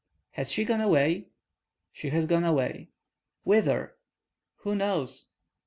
"Has she gone away?" "She has gone away." "Whither?" "Who knows?"